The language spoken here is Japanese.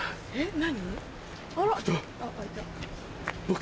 何？